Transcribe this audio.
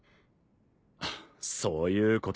そういうことか。